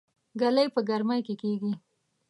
ګلۍ په ګرمۍ کې کيږي